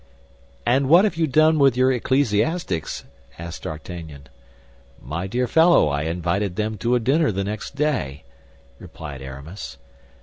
"And what have you done with your ecclesiastics?" asked D'Artagnan. "My dear fellow, I invited them to a dinner the next day," replied Aramis.